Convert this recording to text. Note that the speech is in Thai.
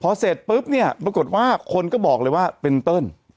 พอเสร็จปุ๊บเนี่ยปรากฏว่าคนก็บอกเลยว่าเป็นเติ้ล